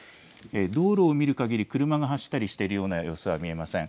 道路を見るかぎり車が走ったりしているような様子は見えません。